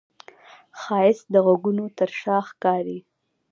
ښایست د غږونو تر شا ښکاري